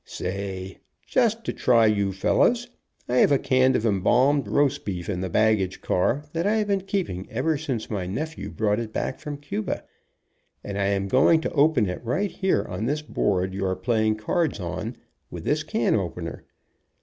Say, just to try you fellows, I have a can of embalmed roast beef in the baggage car that I have been keep DREYFUS AND EMBALMED BEEF 97 ing ever since my nephew brought it back from Cuba, and I am going to open it right here on this board you are playing cards on, with this can opener.